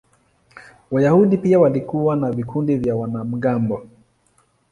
Wayahudi pia walikuwa na vikundi vya wanamgambo.